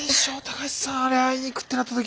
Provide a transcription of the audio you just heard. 橋さんあれ会いにいくってなった時。